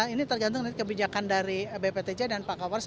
ini tergantung dari kebijakan dari bptj dan pak kapolres